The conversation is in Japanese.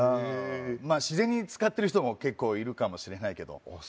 まあ自然に使ってる人も結構いるかもしれないけどあっ